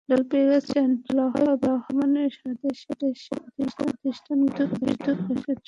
সভায় বলা হয়, বর্তমানে সারা দেশে শিল্পপ্রতিষ্ঠানগুলো বিদ্যুৎ-গ্যাসের চরম সংকটে ভুগছে।